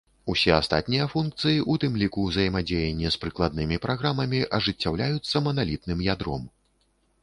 Усе астатнія функцыі, у тым ліку узаемадзеянне з прыкладнымі праграмамі, ажыццяўляюцца маналітным ядром.